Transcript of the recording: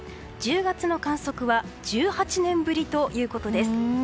１０月の観測は１８年ぶりということです。